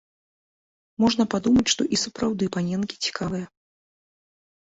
Можна падумаць, што і сапраўды паненкі цікавыя.